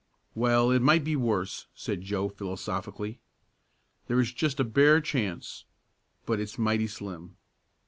"Well, it might be worse!" said Joe philosophically. "There is just a bare chance but it's mighty slim."